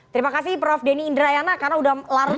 terima kasih prof denny indrayana karena udah larut